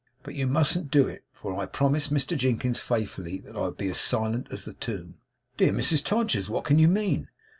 But I mustn't do it, for I promised Mr Jinkins faithfully, that I would be as silent as the tomb.' 'Dear Mrs Todgers! What can you mean?